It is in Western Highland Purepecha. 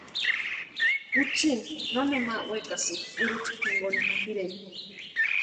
Juchini no nema wekasïnti kurucha jinkoni tʼireni.